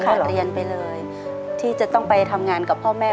เรียนไปเลยที่จะต้องไปทำงานกับพ่อแม่